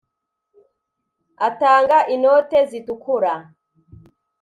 atanga inote zitukura.